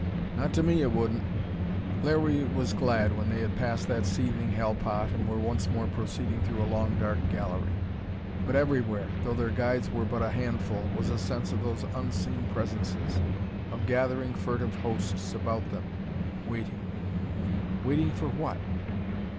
"Not to me, it wouldn't!" Larry was glad when they had passed that seething hell pot and were once more proceeding through a long, dark gallery. But everywhere, though their guides were but a handful, was a sense of those unseen presences, of gathering, furtive hosts about them, waiting waiting for what?